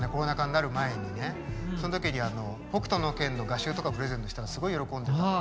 そのときに「北斗の拳」の画集とかをプレゼントしたらすごい喜んでた。